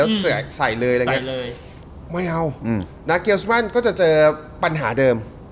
แบบว่าจะเจอปัญหาเดิม